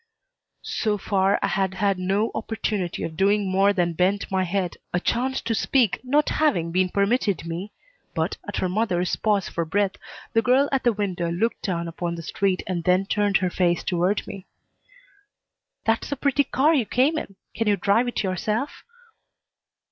So far I had had no opportunity of doing more than bend my head, a chance to speak not having been permitted me, but, at her mother's pause for breath, the girl at the window looked down upon the street and then turned her face toward me. "That's a pretty car you came in. Can you drive it yourself?"